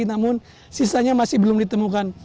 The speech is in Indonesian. namun sisanya masih belum ditemukan